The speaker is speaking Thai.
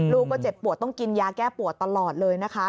ลูกก็เจ็บปวดต้องกินยาแก้ปวดตลอดเลยนะคะ